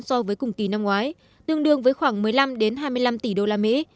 so với cùng kỳ năm ngoái tương đương với khoảng một mươi năm hai mươi năm tỷ usd